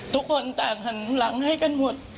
ทุกคนต่างหันหลังให้กันหมด